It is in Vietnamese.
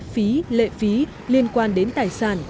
phí lệ phí liên quan đến tài sản